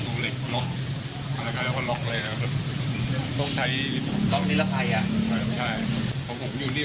คนนอกเข้าได้ปกติไหมพี่